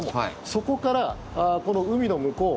そこからこの海の向こう